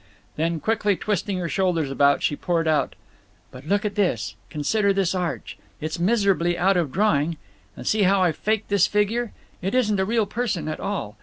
Then, quickly twisting her shoulders about, she poured out: "But look at this. Consider this arch. It's miserably out of drawing. And see how I've faked this figure? It isn't a real person at all.